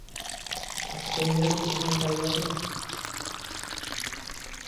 Utziko didazu komunera joaten?